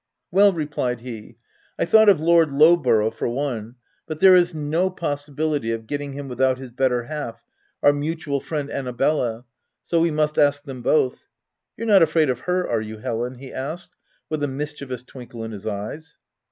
" Well," replied he, « I thought of Lord Lowborough for one ; but there is no possi bility of getting him without his better half, our mutual friend Annabella ; so we must ask them both. You're not* afraid of her, are you Helen ?" he asked, with a mischievous twinkle in his eyes.